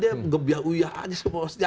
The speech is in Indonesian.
ya gebiah uyah aja semua